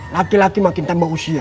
laki laki makin tambah usia